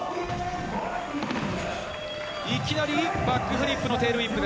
いきなりバックフリップのテールウィップル。